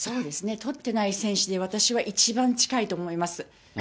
取ってない選手で、私は一番近いと思います。